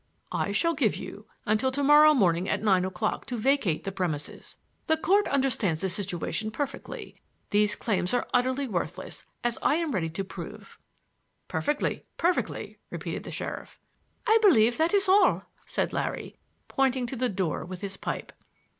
"I shall give you until to morrow morning at nine o'clock to vacate the premises. The court understands this situation perfectly. These claims are utterly worthless, as I am ready to prove." "Perfectly, perfectly," repeated the sheriff. "I believe that is all," said Larry, pointing to the door with his pipe.